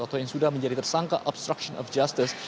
atau yang sudah menjadi tersangka obstruction of justice